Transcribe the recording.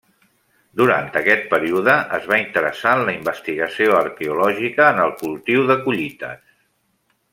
Durant aquest període es va interessar en la investigació arqueològica en el cultiu de collites.